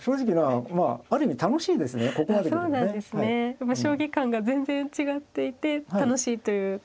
やっぱり将棋観が全然違っていて楽しいという。